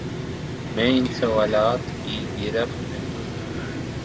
میں ان سوالات کی گرفت میں ہوں۔